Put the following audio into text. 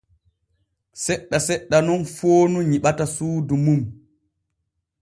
Seɗɗa seɗɗa nun foonu nyiɓata suudu mum.